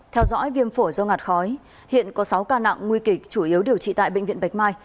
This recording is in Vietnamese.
theo dõi viêm phổi do ngạt khói hiện có sáu ca nặng nguy kịch chủ yếu điều trị tại bệnh viện bạch mai